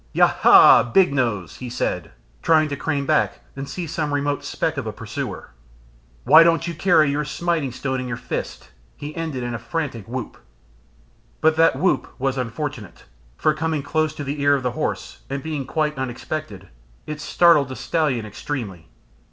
"Ya ha! big nose!" he said, trying to crane back and see some remote speck of a pursuer. "Why don't you carry your smiting stone in your fist?" he ended with a frantic whoop. But that whoop was unfortunate, for coming close to the ear of the horse, and being quite unexpected, it startled the stallion extremely.